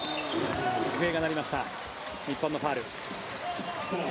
笛が鳴りました日本のファウル。